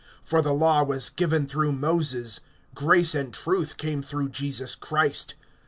(17)For the law was given through Moses; grace and truth came through Jesus Christ.